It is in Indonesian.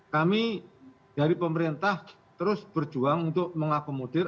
kami dari pemerintah terus berjuang untuk mengakomodir